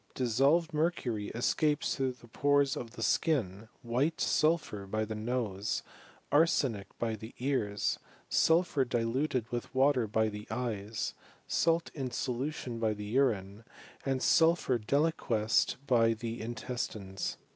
Dissolved mercury escapes through the pores of the skin, white sulphur by the nose, arsenic by the ears, sulphur diluted with water by the eyes, salt in solution by the urine, and sulphur deliquesced by the in testines.